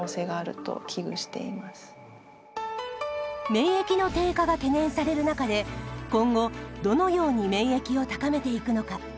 免疫の低下が懸念される中で今後どのように免疫を高めていくのか。